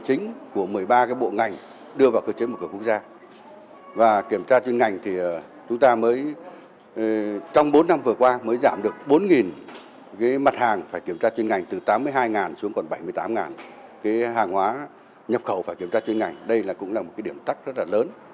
cái hàng hóa nhập khẩu phải kiểm tra trên ngành đây cũng là một điểm tắc rất là lớn